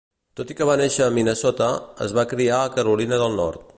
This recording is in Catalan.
Tot i que va néixer a Minnesota, es va criar a Carolina del Nord.